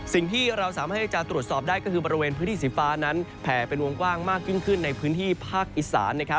สิ่งที่เราสามารถให้จะตรวจสอบได้ก็คือบริเวณพื้นที่สีฟ้านั้นแผ่เป็นวงกว้างมากยิ่งขึ้นในพื้นที่ภาคอีสาน